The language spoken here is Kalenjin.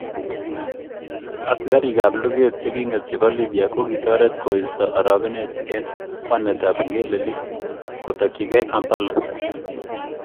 Asikarikab luget chekinget chebo Libya kokitoret koisto orogenet eng kwenetab ngelelik kotokchikei Kampala